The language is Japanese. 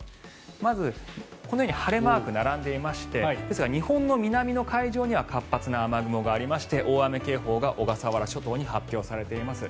まずこのように晴れマークが並んでいまして日本の南の海上には活発な雨雲がありまして大雨警報が小笠原諸島に発表されています。